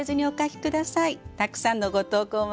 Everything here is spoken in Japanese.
たくさんのご投稿